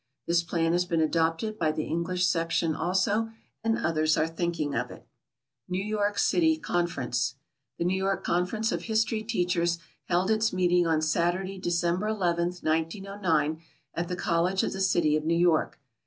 This plan has been adopted by the English section also, and others are thinking of it. NEW YORK CITY CONFERENCE. The New York Conference of History Teachers held its meeting on Saturday, December 11, 1909, at the College of the City of New York.